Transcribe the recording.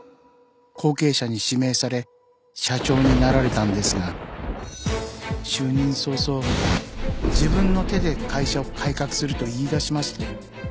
後継者に指名され社長になられたんですが就任早々自分の手で会社を改革すると言い出しまして。